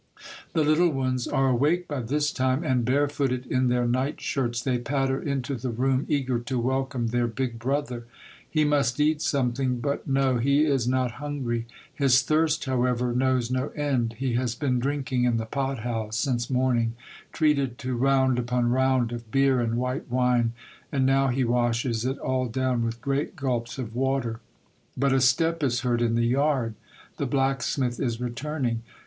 The little ones are awake by this time, and, bare footed, in their night shirts, they patter into the room, eager to welcome their big brother ! He must eat something, but, no, he is not hungry. His thirst, however, knows no end ; he has been drinking in the pothouse since morning, treated to round upon round of beer and white wine, and now he washes it all down with great gulps of water. But a step is heard in the yard. The blacksmith is returning.